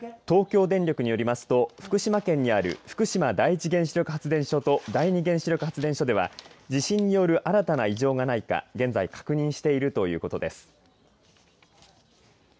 東京電力によりますと福島県にある福島第１原子力発電所と第２原子力発電所では地震による新たな異常がないか現在確認してるということです。